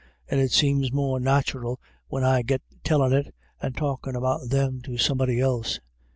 And it seems more nathural when I get tellin' it, and talkin' about them to somebody else.